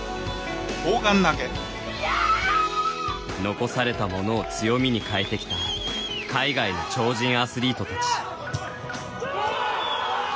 残されたものを強みに変えてきた海外の超人アスリートたち。